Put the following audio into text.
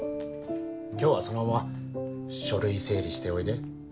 今日はそのまま書類整理しておいで。